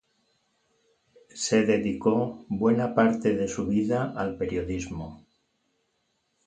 Se dedicó buena parte de su vida al periodismo.